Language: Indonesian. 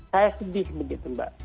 saya sedih begitu